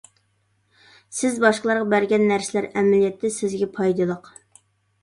سىز باشقىلارغا بەرگەن نەرسىلەر ئەمەلىيەتتە سىزگە پايدىلىق.